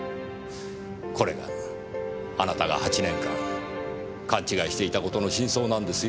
これがあなたが８年間勘違いしていた事の真相なんですよ。